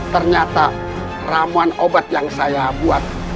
ternyata ramuan obat yang saya buat